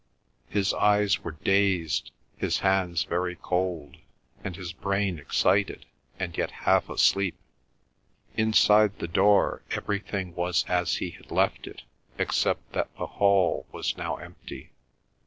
His eyes were dazed, his hands very cold, and his brain excited and yet half asleep. Inside the door everything was as he had left it except that the hall was now empty.